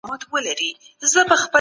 زکات د غریبو خلګو معلوم حق دی.